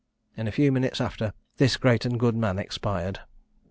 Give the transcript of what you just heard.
In a few minutes after, this great and good man expired.